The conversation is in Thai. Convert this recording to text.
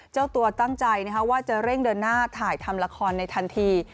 เจ้าตัวตั้งใจว่าจะเร่งเดินหน้าถ่ายทำละครในทันที